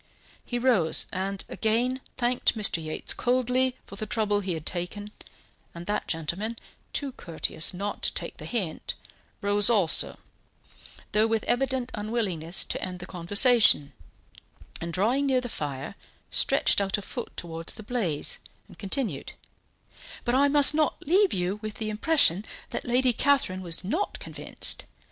He rose, and again thanked Mr. Yates coldly for the trouble he had taken, and that gentleman, too courteous not to take the hint, rose also, though with evident unwillingness to end the conversation, and, drawing near the fire, stretched out a foot towards the blaze, and continued: "But I must not leave you with the impression that Lady Catherine was not convinced.